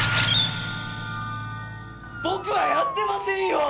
僕はやってませんよ！